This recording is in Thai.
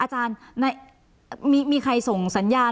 อาจารย์มีใครส่งสัญญาณ